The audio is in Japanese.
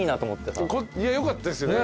よかったですよね